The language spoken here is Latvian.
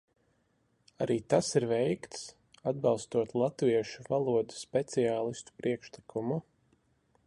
Arī tas ir veikts, atbalstot latviešu valodas speciālistu priekšlikumu.